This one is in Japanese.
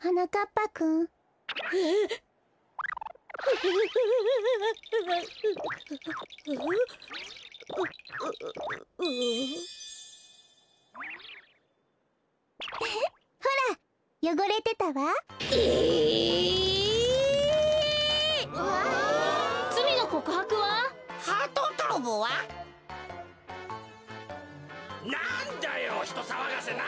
なんだよひとさわがせな！